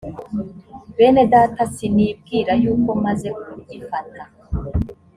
bene data sinibwira yuko maze kugifata